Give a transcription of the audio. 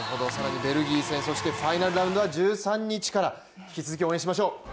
ベルギー戦、そしてファイナルラウンドは１３日から、引き続き応援しましょう。